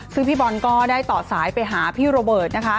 ซึ่งพี่บอลก็ได้ต่อสายไปหาพี่โรเบิร์ตนะคะ